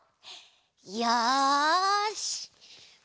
よし！